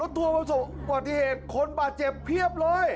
รถทัวร์ประสบอุบัติเหตุคนบาดเจ็บเพียบเลย